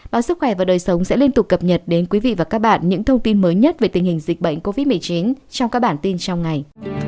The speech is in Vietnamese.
báo sức khỏe và đời sống sẽ liên tục cập nhật đến quý vị và các bạn những thông tin mới nhất về tình hình dịch bệnh covid một mươi chín trong các bản tin trong ngày